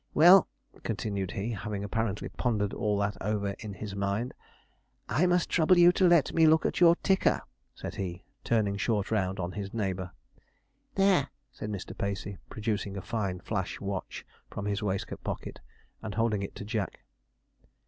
Well,' continued he, having apparently pondered all that over in his mind, 'I must trouble you to let me look at your ticker,' said he, turning short round on his neighbour. 'There,' said Mr. Pacey, producing a fine flash watch from his waistcoat pocket, and holding it to Jack.